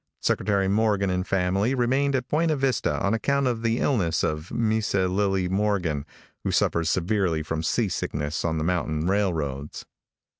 Secretary Morgan and family remained at Buena Vista on account of the illness of Misa Lillie Morgan, who suffers severely from sea sickness on the mountain railroads.